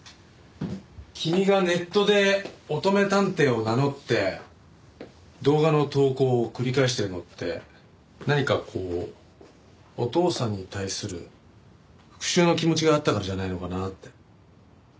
君がネットで乙女探偵を名乗って動画の投稿を繰り返してるのって何かこうお父さんに対する復讐の気持ちがあったからじゃないのかなって。